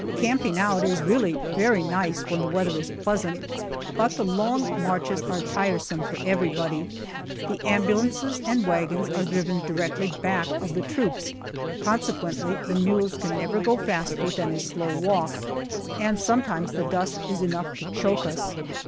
Camping out is really very nice when the weather is pleasant, but the long marches are tiresome for everybody. The ambulances and wagons are driven directly back of the troops, consequently the mules can never go faster than a slow walk, and sometimes the dust is enough to choke us.